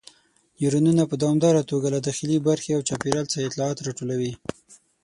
نیورونونه په دوامداره توګه له داخلي برخې او چاپیریال څخه اطلاعات راټولوي.